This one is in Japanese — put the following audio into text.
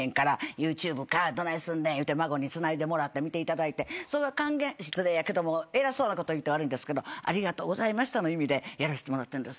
「ＹｏｕＴｕｂｅかぁ。どないすんねん」言うて孫につないでもらって見ていただいてそれは還元偉そうなこと言って悪いけどありがとうございましたの意味でやらせてもらってるんです。